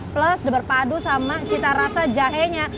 plus berpadu sama cita rasa jahenya